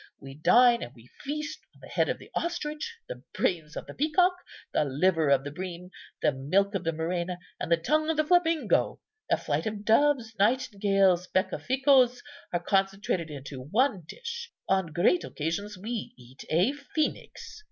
We dine; and we feast on the head of the ostrich, the brains of the peacock, the liver of the bream, the milk of the murena, and the tongue of the flamingo. A flight of doves, nightingales, beccaficoes are concentrated into one dish. On great occasions we eat a phœnix.